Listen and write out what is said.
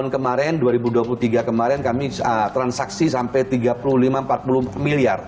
kemarin dua ribu dua puluh tiga kemarin kami transaksi sampai tiga puluh lima empat puluh miliar